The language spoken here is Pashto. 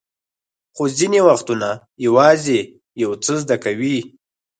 خو ځینې وختونه یوازې یو څه زده کوئ.